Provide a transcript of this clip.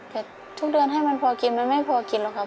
แต่ทุกเดือนให้มันพอกินมันไม่พอกินหรอกครับ